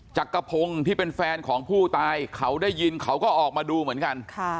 จักรพงศ์ที่เป็นแฟนของผู้ตายเขาได้ยินเขาก็ออกมาดูเหมือนกัน